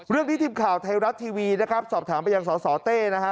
ทีมข่าวไทยรัฐทีวีนะครับสอบถามไปยังสสเต้นะฮะ